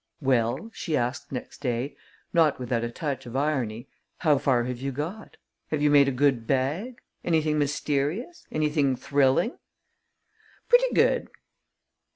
"Well," she asked, next day, not without a touch of irony, "how far have you got? Have you made a good bag? Anything mysterious? Anything thrilling?" "Pretty good."